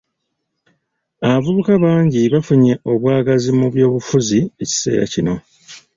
Abavubuka bangi bafunye obwagazi mu by'obufuzi ekiseera kino.